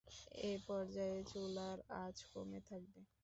এ পর্যায়ে চুলার আঁচ কম থাকবে।